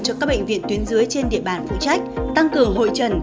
cho các bệnh viện tuyến dưới trên địa bàn phụ trách tăng cửa hội trần